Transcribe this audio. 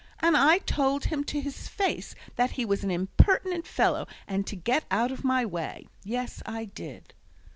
"And I told him to his face that he was an impertinent fellow, and to get out of my way. Yes, I did!"